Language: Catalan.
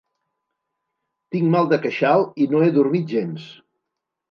Tinc mal de queixal i no he dormit gens.